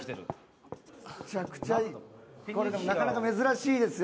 これなかなか珍しいですよ。